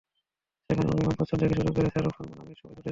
সেখানে অমিতাভ বচ্চন থেকে শুরু করে শাহরুখ, সালমান, আমির সবাই ছুটে যান।